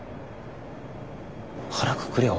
腹くくれよ。